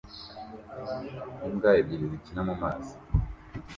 Imbwa ebyiri zikina mumazi